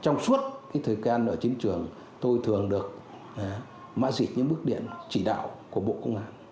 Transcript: trong suốt thời gian ở chiến trường tôi thường được mã xịt những bức điện chỉ đạo của bộ công an